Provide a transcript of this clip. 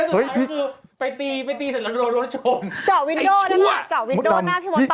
เกราะวินโดรหน้าพี่ม็อตตอนนี้ได้ไหม